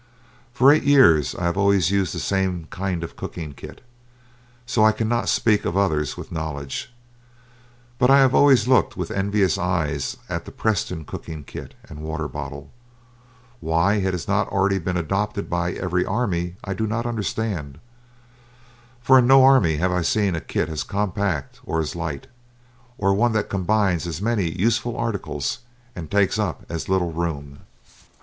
For eight years I always have used the same kind of cooking kit, so I cannot speak of others with knowledge; but I have always looked with envious eyes at the Preston cooking kit and water bottle. Why it has not already been adopted by every army I do not understand, for in no army have I seen a kit as compact or as light, or one that combines as many useful articles and takes up as little room.